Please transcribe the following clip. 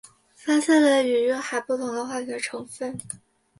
发现了与月海不同的化学成分。